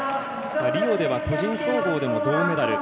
リオでは個人総合でも銅メダル。